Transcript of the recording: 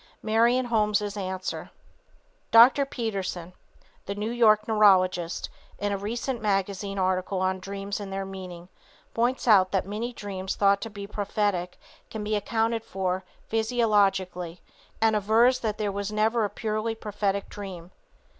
MARION HOLMES' ANSWER. Dr. Peterson, the New York neurologist, in a recent magazine article on dreams and their meaning, points out that many dreams thought to be prophetic can be accounted for physiologically and avers that there never was a purely prophetic dream.